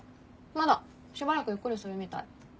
まだしばらくゆっくりするみたい。